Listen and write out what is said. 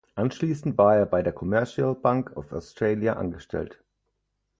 Anschließend war er bei der Commercial Bank of Australia angestellt.